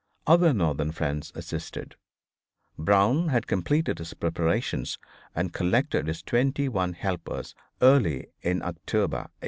Other Northern friends assisted. Brown had completed his preparations and collected his twenty one helpers early in October, 1859.